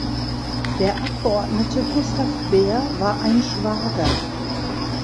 Der Abgeordnete Gustav Behr war ein Schwager.